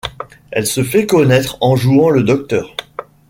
Elle se fait connaître en jouant le Dr.